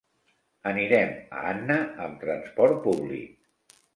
Anirem a Anna amb transport públic.